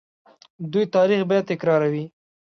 دوی تاریخ بیا تکراروي.